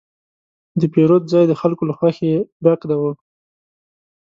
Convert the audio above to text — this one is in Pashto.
د پیرود ځای د خلکو له خوښې ډک و.